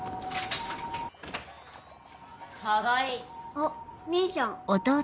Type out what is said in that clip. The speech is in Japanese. あっ兄ちゃん。